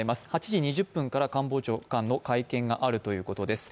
８時２０分から官房長官の会見があるということです。